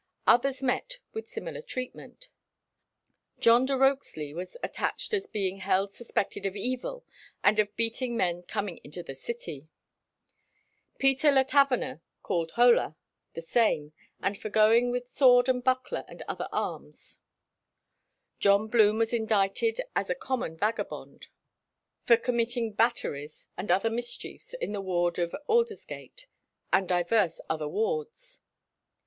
Others met with similar treatment. John de Rokeslee was attached as being held suspected of evil and of beating men coming into the city;" "Peter le Taverner, called Holer," the same, and for going with sword and buckler and other arms; John Blome was indicted "as a common vagabond for committing batteries and other mischiefs in the ward of Aldresgate and divers other wards."